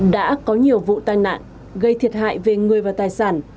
đã có nhiều vụ tai nạn gây thiệt hại về người và tài sản